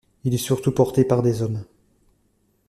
Il est surtout porté par des hommes.